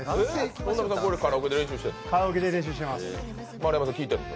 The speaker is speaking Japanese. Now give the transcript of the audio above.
本並さん、これカラオケで練習してるの？